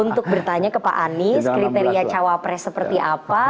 untuk bertanya ke pak anies kriteria cawapres seperti apa